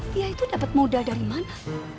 dia itu dapat moda dari mana